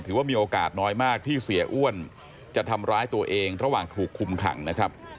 ถือว่ามีโอกาสน้อยมากที่เสียอ้วนจะทำร้ายตัวเองระหว่างถูกคุมขังนะครับ